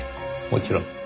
もちろん。